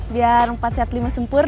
biar empat sehat lima sempur